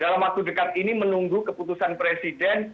dalam waktu dekat ini menunggu keputusan presiden